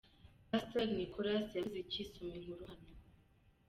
Pasitori Nicolas yavuze iki? Soma inkuru hano .